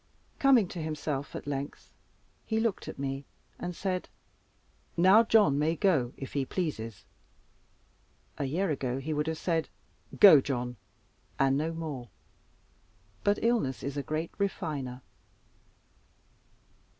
Coming to himself at length, he looked at me, and said, "Now John may go, if he pleases." A year ago he would have said, "Go, John," and no more. But illness is a great refiner.